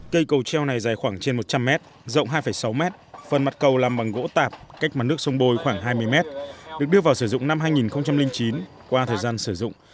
cây cầu treo này dài khoảng trên một trăm linh mét rộng hai sáu mét phần mặt cầu làm bằng gỗ tạp cách mặt nước sông bôi khoảng hai mươi mét được đưa vào sử dụng năm hai nghìn chín qua thời gian sử dụng